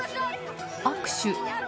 握手。